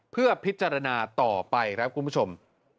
เพื่อพิจารณาต่อไปครับคุณผู้ชม